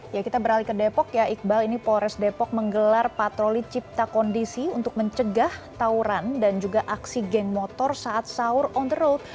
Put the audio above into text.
ya kita beralih ke depok ya iqbal ini polres depok menggelar patroli cipta kondisi untuk mencegah tauran dan juga aksi geng motor saat sahur on the road